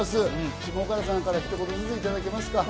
下川さんからひと言ずつ、いただけますか？